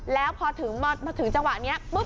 แล้วพอถึงจังหวะนี้